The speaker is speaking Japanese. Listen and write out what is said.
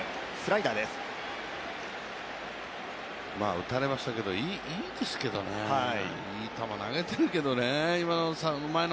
打たれましたけど、いいですけどねえ、いい球、投げているけどね、今永。